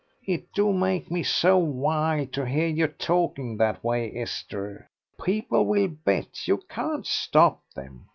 "It do make me so wild to hear you talkin' that way, Esther. People will bet, you can't stop them.